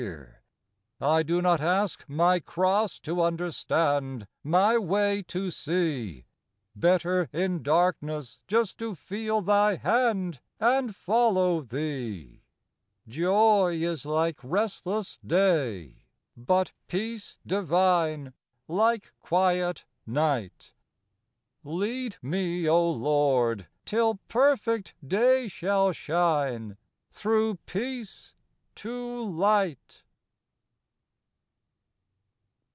OUR DAILY BREAD . 137 I do not ask my cross to understand, My way to see ; Better in darkness just to feel Thy hand And follow Thee. Joy is like restless day : but peace divine Like quiet night: Lead me, O Lord, — till perfect Day shall shine, Through Peace to Light.